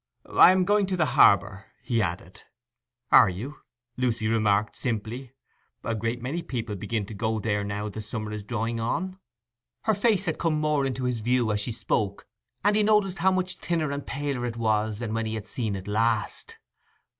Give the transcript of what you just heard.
'I am going to the harbour,' he added. 'Are you?' Lucy remarked simply. 'A great many people begin to go there now the summer is drawing on.' Her face had come more into his view as she spoke, and he noticed how much thinner and paler it was than when he had seen it last.